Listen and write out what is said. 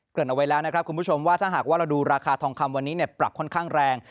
เอาไว้แล้วนะครับคุณผู้ชมว่าถ้าหากว่าเราดูราคาทองคำวันนี้ปรับค่อนข้างแรง